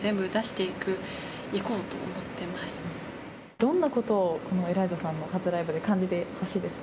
どんなことをエライザさんの初ライブで感じてほしいですか。